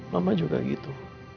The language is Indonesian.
mama juga gitu